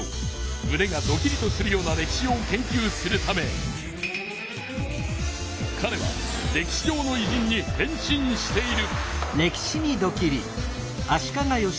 むねがドキリとするような歴史を研究するためかれは歴史上のいじんに変身している。